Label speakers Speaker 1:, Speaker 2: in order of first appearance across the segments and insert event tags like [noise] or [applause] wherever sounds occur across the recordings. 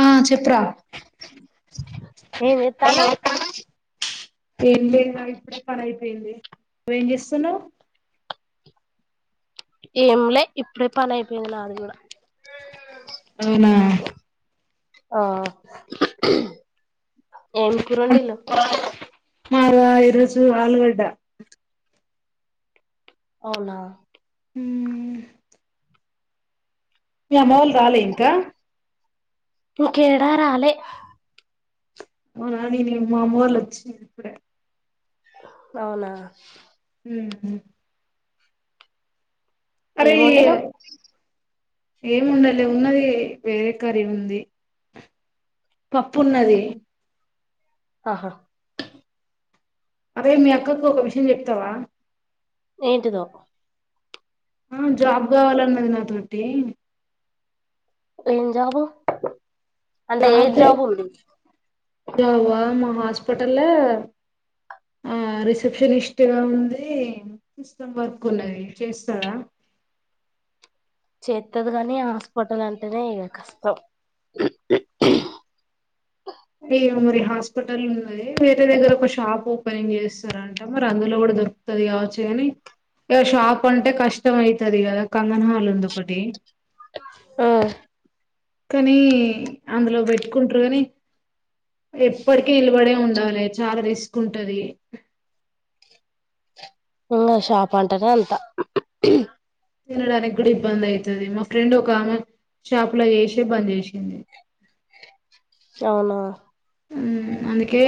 Speaker 1: ఆ చెప్పురా
Speaker 2: ఏం చేత్తన్నావ్
Speaker 1: ఏం లే ఇప్పుడే పరని అయిపోయింది నువ్వేం చేస్తున్నావ్
Speaker 2: ఏంలే ఇప్పుడే పని అయిపోయింది నాది కూడా
Speaker 1: అవునా
Speaker 2: ఆ ఏం కుర్ర వండీలు
Speaker 1: మాద ఈరోజు ఆలుగడ్డ
Speaker 2: అవునా
Speaker 1: ఉమ్ మీ అమ్మ వాళ్ళు రాలే ఇంకా
Speaker 2: ఇన్ కేడారాలే
Speaker 1: అవునా నేన్ మా అమ్మోలు వచ్చి ఇప్పుడే
Speaker 2: అవునా
Speaker 1: ఉ
Speaker 2: ఏం వండినావ్
Speaker 1: ఏము ఉండాలి ఉన్నది వేరే కర్రీ ఉంది పప్పు ఉన్నది
Speaker 2: ఆహా
Speaker 1: అరే మీ అక్కకు ఒక విషయం చెప్తావా
Speaker 2: ఏంటితో
Speaker 1: ఆ జాబ్ కావాలన్నది నాతోటి
Speaker 2: ఏం జాబ్ ఉ అంటే ఏ
Speaker 1: జాబ్ చే జాబ్ హ హాస్పిటల్ ఆ రిసెప్షనిస్ట్గా ఉంది సిస్టమ్ వర్క్ ఉన్నది చేస్తాద
Speaker 2: చేత్తది కానీ హాస్పిటల్ అంటేనే ఇ కష్టం
Speaker 1: ఏమో మరి హాస్పిటల్ ఉన్నది వేరే దగ్గర ఒక షాప్ ఓపెనింగ్ చేస్తారంట మరి అందులో కూడా దొరుకుతది కావచ్చు కాని ఇక షాప్ అంటే కష్టం అయితది కదా కంగనా హల్ ఉంది ఒకటి
Speaker 2: ఆ
Speaker 1: కానీ అందులో పెట్టుకుంటారు కాని ఎప్పటికి నిలబడే ఉండాలి చాలా రిస్క్ ఉంటది
Speaker 2: ఇంగ షాప్ అంటనే అంత ము హ్
Speaker 1: తినడానికి కూడా ఇబ్బంది అయితది మా ఫ్రెండ్ ఒక ఆమె షాప్ లో చేసి బంద్ చేసింది
Speaker 2: అవునా
Speaker 1: మ్ హ్ అందుకే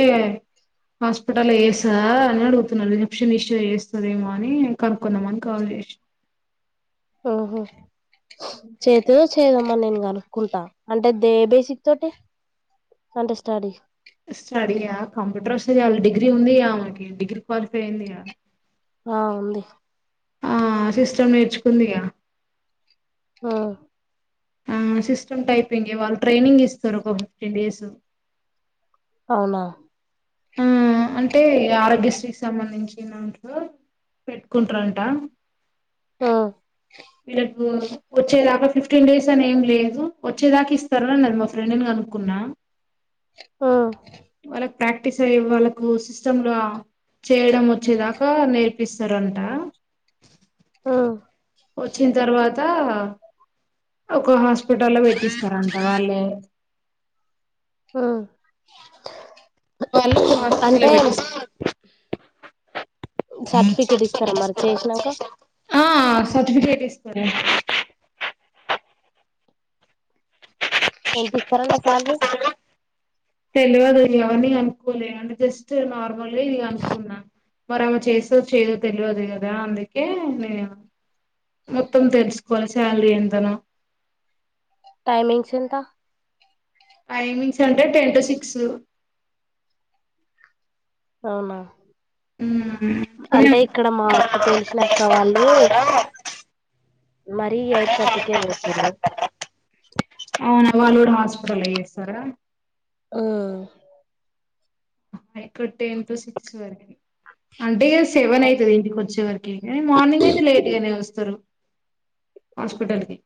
Speaker 1: హాస్పిటల్ చేస్తదా అని అడుగుతున్నా రిసేప్షనిస్ట్ చేస్తదేమో అని కనుకుందామని కాల్ చేసిన
Speaker 2: మ్మ్ హ్హ్ చెత్తది కావచ్చు చేస్తావమ్మా అని నేను కనుక్కుంటా అంటే ఏ బేసిక్ తోటి అంటే స్టడీ
Speaker 1: స్టడీయా కంప్యూటర్ వస్తే చాలు డిగ్రీ ఉంది ఆమెకి డిగ్రీ క్వాలిఫై అయిందిగా
Speaker 2: ఆ ఉంది
Speaker 1: ఆ సిస్టమ్ నేర్చుకుందిగా
Speaker 2: ఆ
Speaker 1: ఆ సిస్టమ్ టైపింగే వాళ్ళు ట్రైనింగ్ ఇస్తారు ఒక ఫిఫ్టీన్ డేస్
Speaker 2: అవునా
Speaker 1: హా అంటే ఆరోగ్యశ్రీకి సంబంధించి దాంట్లో పెట్టుకుంటారంట
Speaker 2: మ్మ్
Speaker 1: వీళ్లకు వచ్చేదాకా ఫిఫ్టీన్ డేస్ అని ఏం లేదు వచ్చేదాకా ఇస్తారు అన్నరు మా ఫ్రెండు ను కనుక్కున్నా
Speaker 2: ఆ
Speaker 1: వాళ్ళకి ప్రాక్టీస్ అయ్యే వాళ్ళకు సిస్టమ్ లో ఆ చేయడం వచ్చేదాకా నేర్పి ఇస్తారంటా
Speaker 2: మ్మ్
Speaker 1: వచ్చిన తర్వాత గా ఒక హాస్పిటల్ గుడ్డోళ్లకు పెట్టిస్తారంట వాళ్ళే
Speaker 2: మ్మ్ హ్హ్
Speaker 1: వాళ్లకు హాస్పిటల్ లో పెట్టిస్తా
Speaker 2: సర్టిఫికేట్ ఇస్తారా మరి చేసినాక
Speaker 1: ఆ సర్టిఫికేట్ ఇస్తరు యాహ్
Speaker 2: ఎంత ఇస్తారంటా శాలరీ
Speaker 1: తెలువదు ఎవర్ని కనుకో ఫోన్ చేయగానే జస్ట్ నార్మల్ గా ఇది కనుకున్నా మరి ఆమే చేస్తదో చేయదో తెలియదు కదా అందుకే నేను మొత్తం తెలుసుకోలే శాలరీ ఎంతనో
Speaker 2: టైమింగ్స్ ఎంత
Speaker 1: టైమింగ్స్ అంటే టెన్ టు సిక్స్
Speaker 2: అవునా అంటే ఇక్కడ మాకు తెలిసినక్క వాళ్ళు మరీ ఎయిట్ థర్టీకే పోతుళ్లు
Speaker 1: అవునా వాళ్ళు కూడా హాస్పిటల్ లో చేస్తారా
Speaker 2: మ్మ్ హ్
Speaker 1: నైట్ టెన్ టు సిక్స్ వరకి అంటే ఇక సెవెన్ అయితది. ఇంటికి వచ్చే సరకి మార్నింగ్ అయితే లేట్ గానే వస్ తరు హాస్పిటల్ కి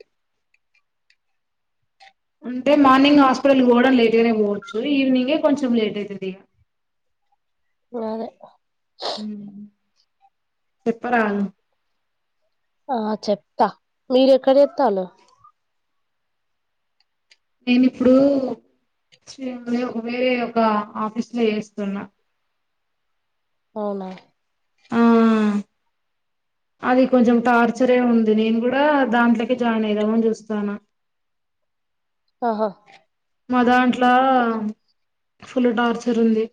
Speaker 1: అంటే మార్నింగ్ హాస్పిటల్కు పోవడం లేట్ గానే పోవచ్చు ఈవినింగే కొంచెం లేట్ అవుతది ఇక
Speaker 2: అదే
Speaker 1: మ్ చెప్పరా
Speaker 2: ఆ చెప్తా మీరు ఎక్కడ ఎత్తాలు
Speaker 1: నేను ఇప్పుడు [unintelligible] ఒక వేరే ఒక ఆఫీస్ లో వేస్తున్నా
Speaker 2: అవునా?
Speaker 1: ఆ అది కొంచెం టార్చరే ఉంది. నేను కూడా దాంట్లోకి జాయిన్ అయిదామని చూస్తాన్న
Speaker 2: ఆహా
Speaker 1: మా దాంట్లా ఫుల్ టార్చర్ ఉంది.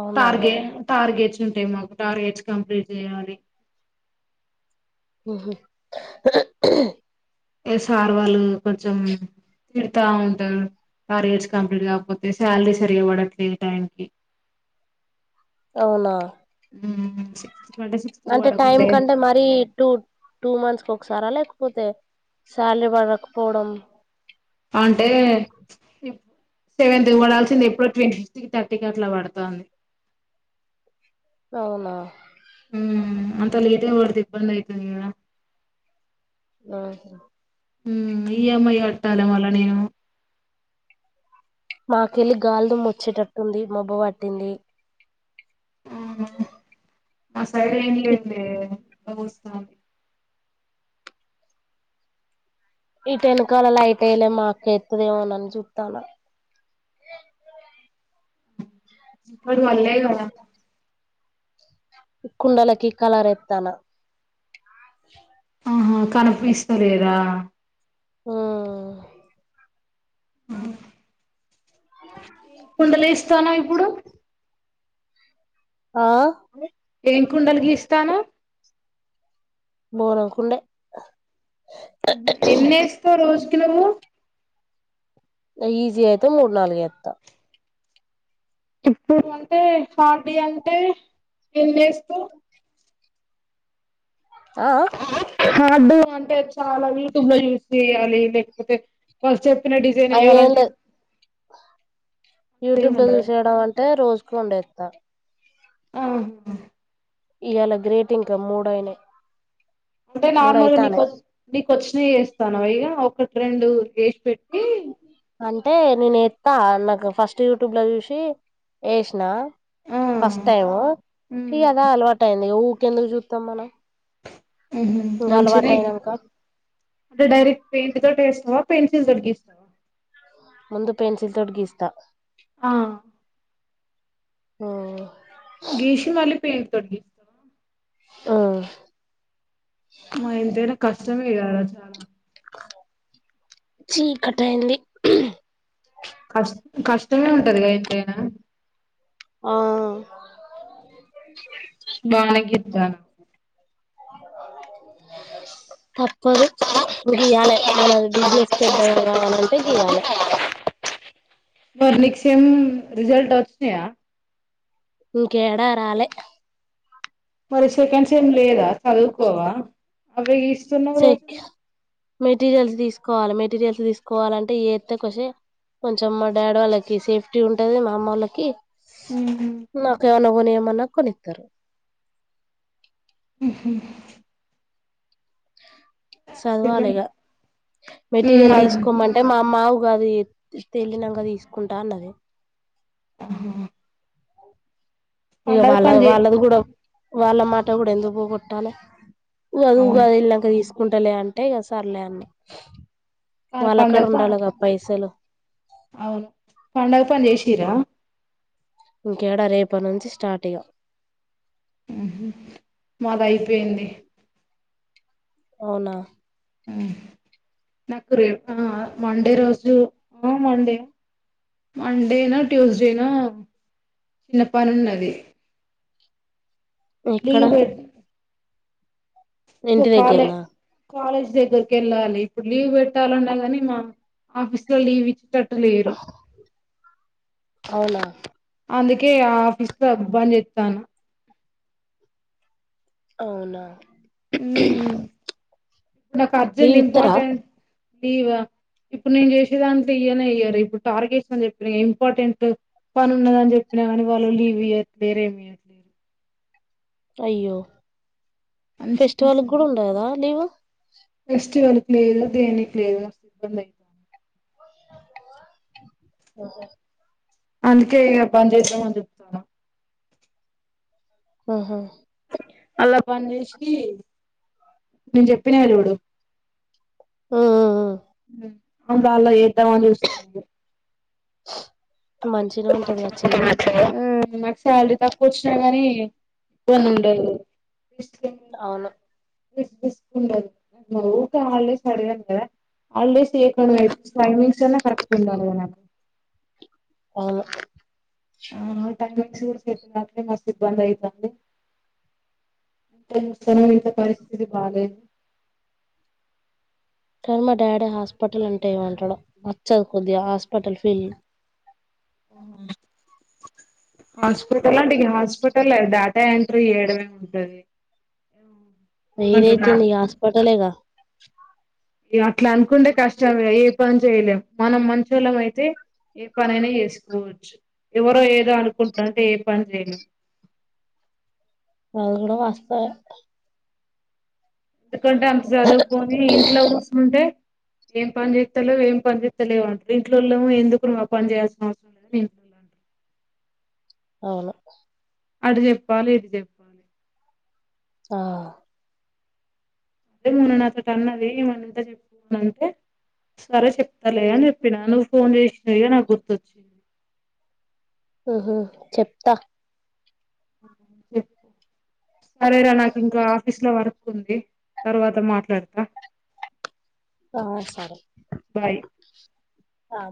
Speaker 2: అవునా
Speaker 1: తార్గే టార్గేట్స్ ఉంటాయి, మాకు టార్గెట్స్ కంప్లీట్ చేయాలి
Speaker 2: మ్ హు
Speaker 1: ఏ సార్ వాళ్ళు కొంచెం తిడతా ఉంటారు. టార్గెట్స్ కంప్లీట్ కాకపోతే శాలరీ సరిగ పడట్లేదు టైంకి
Speaker 2: అవునా?
Speaker 1: ఉమ్ సి
Speaker 2: అంటే టైమ్ కంటే మరి టూ టూ మంత్స్ కు ఒక ఒకసారా లేకపోతే శాలరీ పడకపోవడం
Speaker 1: అంటే సెవెన్టీ పడాల్సింది ఎప్పుడో ట్వంటీ థర్టీ కి అట్లా పడతాంది
Speaker 2: అవునా?
Speaker 1: ఉమ్ అంత లేట్ గా పడితే ఇబ్బంది అయితది కదా?
Speaker 2: ఆ
Speaker 1: మ్ ఈఎంఐ కట్టాల మళ్లా నేను
Speaker 2: మాకెళ్ళి గాల్దుమ్ వచ్చేటట్టుంది మబ్బు పట్టింది.
Speaker 1: మ్ మా సైడ్ ఏం
Speaker 2: ఈ
Speaker 1: లేంది ఉక్క పోస్తాంది.
Speaker 2: ఇట వెనకాల లైట్ అయలే మాకు ఎత్తదేమోనని చూత్తాన
Speaker 1: ఇప్పుడు పడ్లే కదా?
Speaker 2: కుండలకి కలరెత్తాన్న.
Speaker 1: ఆహా కనిపిస్తలేదా?
Speaker 2: మ్
Speaker 1: మ్ హు కుండలేస్ తన ఇప్పుడు
Speaker 2: ఆ
Speaker 1: ఏం కుండలు గీస్తాన్నవ్
Speaker 2: బోరంకుండే
Speaker 1: చినము
Speaker 2: ఈజీ అయితే మూడు నాలుగు ఎత్తా
Speaker 1: ఎప్పుడు అంటే ఫార్ డి అంటే ఎంతేస్తావ్
Speaker 2: ఆ
Speaker 1: హార్డు అంటే చాలా యూట్యూబ్ లో యూస్ చేయాలి లేకపోతే ఫస్ట్ డిజైన్
Speaker 2: అయ్యేం
Speaker 1: వయ్యాలండి
Speaker 2: లేదు యూట్యూబ్ లో చూసేయడం అంటే రోజుకు ఉండేది త
Speaker 1: ఆా
Speaker 2: ఇవాళ గ్రేటింగ్కా మూడయినా
Speaker 1: అంటే నార్మల్గా నికు వచ్చిన చేస్తానవ ఇక ఒకటి రెండు పెట్టి
Speaker 2: అంటే నేను ఎత్తా నాకు ఫస్ట్ యూట్యూబ్ లో చూసి వేసినా
Speaker 1: ఆ
Speaker 2: ఫస్ట్ టైము ఫీ అదా అలవాటు అయిందిఊ ఎందుకు చూస్తాం మనం ఇంకా అలవాటు
Speaker 1: మంచిది
Speaker 2: అయినాక
Speaker 1: అంటే డైరెక్ట్ పెయింట్ తో టేస్ట్ ప పెన్సిల్స్ గిర్కిస్తవా
Speaker 2: ముందు పెన్సిల్ తోటి గీస్తా
Speaker 1: ఆ
Speaker 2: ఆ
Speaker 1: గీషిమళ్ళి పే తొగిస్త
Speaker 2: ఆ
Speaker 1: మంతే కష్టమే కాదా చాలా
Speaker 2: చీకట్ట అయింది
Speaker 1: కష్ట కష్టమే ఉంటదిగా ఎంతైనా
Speaker 2: ఆ
Speaker 1: బానె గిత్తానవు
Speaker 2: తప్పదు గియాల మన బిజినెస్ పెద్దగా కావాలంటే గీయాలి
Speaker 1: వర్ నక్ సేమ్ రిజల్ట్ అ చినయా
Speaker 2: ఇంకేడా రాాలే
Speaker 1: మరి సెకండ్స్ ఏం లేదా చదుకోవా అ ఇష్ట సున్నా
Speaker 2: చె
Speaker 1: రోజు
Speaker 2: మెటీరియల్స్ తీసుకోవాలి మెటీరియల్స్ తీసుకోవాలంటే ఏస్త కొసే కొంచెం మా డాడీ వాళ్ళకి సేఫ్టీ ఉంటుంది మా అమ్మ వాళ్ళకి
Speaker 1: ఉహు
Speaker 2: ఏమైనా కొని ఏమన్నా కొనిత్తారు
Speaker 1: హు సెకండ్
Speaker 2: చదవాలిగా
Speaker 1: ఉమ్
Speaker 2: మెటీరియల్
Speaker 1: అది
Speaker 2: తీసుకోమంటే మా అమ్మ మా ఉగాది తేలినాక తీసుకుంటా అన్నది అవు ఇక
Speaker 1: పండగ
Speaker 2: వాళ్ళ
Speaker 1: పని చే
Speaker 2: వాళ్ళది కూడా వాళ్ళ మాట కూడా ఎందుకు పోట్టాలి అ
Speaker 1: అవును
Speaker 2: ఉగాది ఏలినాక తీసు ఉండలే అంటే ఇక సర్లే అన్న వాళ్ళక్కడ
Speaker 1: పండగ ప
Speaker 2: ఉండాలిగా పైసలు
Speaker 1: అవును పండగ పని చేసరా
Speaker 2: ఇకేడా రేపటి నుంచి స్టార్ట్ ఇగ
Speaker 1: ఉహు మాది అయిపోయింది
Speaker 2: అవునా
Speaker 1: హు నాకు రేపు మండే రోజు మండే మండేనా ట్యూస్డేనా చిన్న పని ఉన్నది
Speaker 2: ఎక్కడ
Speaker 1: లీవ్ పెట్
Speaker 2: ఇంటి దగ్గర
Speaker 1: కాలే
Speaker 2: నా
Speaker 1: కాలేజ్ దగ్గరకి వెళ్ళాలి ఇప్పుడు లీవ్ పెట్టాలన్నాగాని మ ఆఫీస్ లో లీవ్ ఇచ్చట్
Speaker 2: అవునా
Speaker 1: ఓకే ఆ ఆఫీస్ లోబ్బంది చెస్తాను
Speaker 2: అవునా
Speaker 1: ఇప్పు నాకు అర్జెంట్
Speaker 2: లీవ్ ఇత్తరా
Speaker 1: ఇంపార్టెంట్ లీవా ఇప్పుడు నేను చేసే దాంట్లో ఈయని ఇయ్యరు ఇప్పుడు టార్గెట్పని చెప్పిన ఇంపార్టెంట్ పని ఉన్నదని చెప్పినా కానీ వాళ్ళు లీవ్ ఇయ్యట్లేరు లేరు ఏమి ఇయ్వట్లేరు
Speaker 2: అయ్యో
Speaker 1: మంచి
Speaker 2: ఫెస్టివల్ కూడా ఉండదా లీవ్
Speaker 1: ఫెస్టివల్ కి లేదు దనికి లేదు ఇబ్బ
Speaker 2: ఆఓహ
Speaker 1: అందుకే పని చేద్దామని చెప్తాను
Speaker 2: ఆహా
Speaker 1: అలా పని చేసి నేను చెప్పిన చూడు
Speaker 2: ఉ
Speaker 1: అ వాళ్ల [unintelligible] చూస్తా
Speaker 2: మంచిగానే ఉంటదిగా చెయ్యి
Speaker 1: నాకు శాలరీ తక్కువ వచ్చినా గానీ కొన్ని ఉండదు వీస్ట్
Speaker 2: అవును
Speaker 1: తీసు ఊకె హాలిడేస్ అడగరు కదా హాలిడేస్ టైమింగ్స్ అన్న కరక్ట్ ఉండలే గా నాకు
Speaker 2: అవును
Speaker 1: ఆ టంగూరు చెప్పటినట్ే మస్తు ఇబ్బంది అవుతుంది ఇ మస్త ఇత పరిస్థితి బాాలలేదు [inaudible]
Speaker 2: కానీ మా డాడీ హాస్పిటల్ అంటే ఏమంటాడో నాచ్చదు కొద్దిగా హాస్పిటల్ ఫీల్డ్
Speaker 1: అ లాంటి హాస్పిట లే డేటా ఎంట్రీ చేయడమే ఉంటది
Speaker 2: ఏదైతే
Speaker 1: ఏమంటారు
Speaker 2: ఏందీ హాస్పిటల్గా
Speaker 1: అట్లా అనుకుంటే కష్టం ఏ పని చేయలేం మనం మంచొల్లం అయితే ఏ పనైనా చేసుకోవచ్చు ఎవరో ఏదో అనుకుంటారంటే ఏ పని చేయలేం
Speaker 2: అది కూడా వస్తుం
Speaker 1: ఎందుకంటే అంత చదువుకొని ఇంట్లో కూర్చంటే ఏం పని చేస్తాలేవ్ ఏం పని చేస్త లేవంటారు ఇంట్లోళ ఎందుకు మా పని చేయాల్సిన అవసరం లేదని ఇంట్లోలో అంటారు
Speaker 2: అవును
Speaker 1: అడు జెప్పాలి ఇది జప్పాలి
Speaker 2: ఆ
Speaker 1: అదే మొన్న నాతోటి అన్నది మౌనిక చెప్పుకోని అంటే సర చెప్ తలే అని చెప్పిన నువ్ ఫోన్ చేసిన ఇగ నా గుర్తచ్చే
Speaker 2: ఆహా చెప్తా
Speaker 1: స సరేరా నాకు ఇంకా ఆఫీస్ లో వర్క్ ంది తర్వాత మాట్లాడతా
Speaker 2: ఆ సరే
Speaker 1: బాయ్
Speaker 2: ఆ